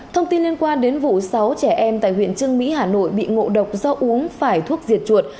thông tin liên quan đến vụ sáu trẻ em tại huyện trương mỹ hà nội bị ngộ độc do uống phải thuốc diệt chuột